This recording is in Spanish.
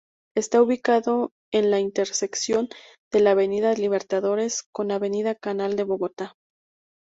Está ubicado en la intersección de la Avenida Libertadores con Avenida Canal Bogotá.